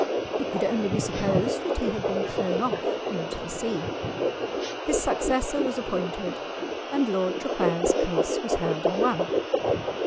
It could only be supposed that he had been thrown off into the sea. His successor was appointed, and Lord Traquair's case was heard and won!